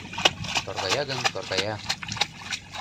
Торгая гын, торгая